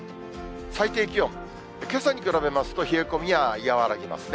最低気温、けさに比べますと、冷え込みはやや和らぎますね。